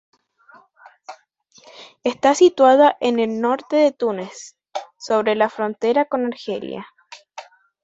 Está situada en el norte de Túnez, sobre la frontera con Argelia.